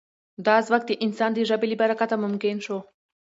دا ځواک د انسان د ژبې له برکته ممکن شو.